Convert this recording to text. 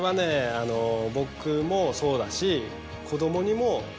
あの僕もそうだし。